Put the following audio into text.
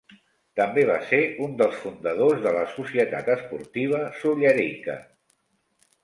També va ser un dels fundadors de la Societat Esportiva Sollerica.